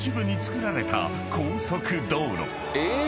え！